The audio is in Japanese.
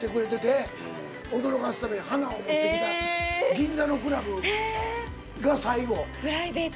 銀座のクラブが最後。